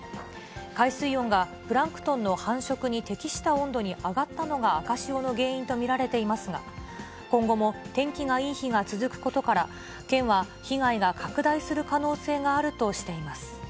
海水温がプランクトンの繁殖に適した温度に上がったのが赤潮の原因と見られていますが、今後も天気がいい日が続くことから、県は被害が拡大する可能性があるとしています。